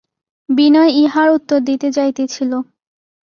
বিনয় ইহার উত্তর দিতে যাইতেছিল।